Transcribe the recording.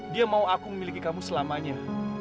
dia mau aku memiliki kamu selamanya